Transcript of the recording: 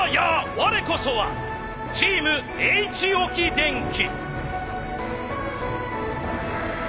我こそはチームＨ置電機。